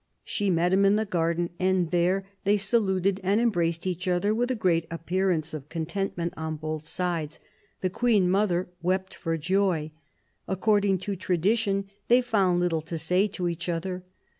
She met him in the garden, and there they saluted and embraced each other with a great appearance of content ment on both sides ; the Queen mother wept for joy." According to tradition, they found little to say to each other.